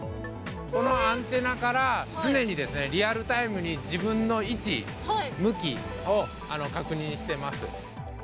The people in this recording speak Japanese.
このアンテナから、常にリアルタイムに自分の位置、向きを確認してます。